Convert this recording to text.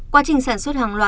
qua trình sản xuất hàng hóa